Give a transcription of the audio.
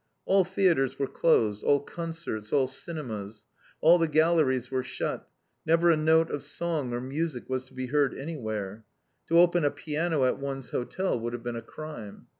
All theatres were closed, all concerts, all cinemas. All the galleries were shut. Never a note of song or music was to be heard anywhere. To open a piano at one's hotel would have been a crime.